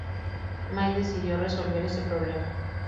May decidió resolver ese problema.